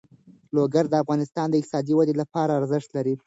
لوگر د افغانستان د اقتصادي ودې لپاره ارزښت لري.